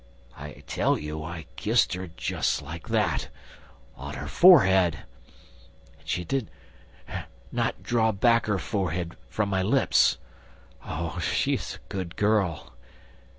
"I tell you I kissed her just like that, on her forehead ... and she did not draw back her forehead from my lips! ... Oh, she is a good girl!